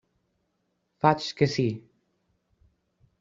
Faig que sí.